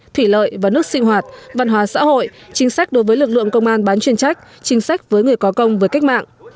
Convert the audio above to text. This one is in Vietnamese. thủy lợi và nước sinh hoạt văn hóa xã hội chính sách đối với lực lượng công an bán chuyên trách chính sách với người có công với cách mạng